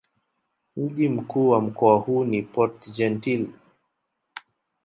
Mji mkuu wa mkoa huu ni Port-Gentil.